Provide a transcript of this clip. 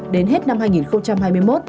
đến hết năm hai nghìn hai mươi một